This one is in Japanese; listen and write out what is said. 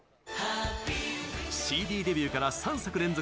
ＣＤデビューから３作連続